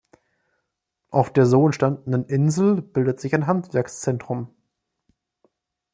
Auf der so entstandenen Insel bildet sich ein Handwerkszentrum.